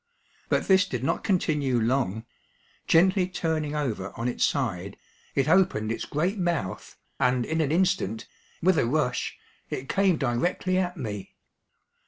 But this did not continue long. Gently turning over on its side, it opened its great mouth, and in an instant, with a rush, it came directly at me.